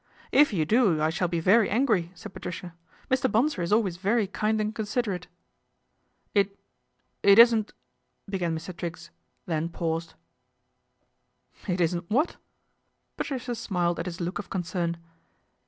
" If you do I shall be very angry," said Patricia ;" Mr. Bonsor is always very kind and considerate." " It it isn't " began Mr. Triggs, then paused. " It isn't what ?" Patricia smiled at his look of concern.